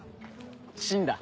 信だ。